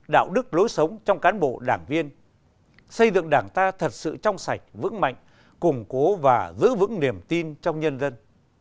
đạo đức lối sống trong cán bộ đảng viên xây dựng đảng ta thật sự trong sạch vững mạnh củng cố và giữ vững niềm tin trong nhân dân